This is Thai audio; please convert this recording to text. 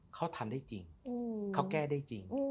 เขาทำได้จริงเขาแก้ได้จริง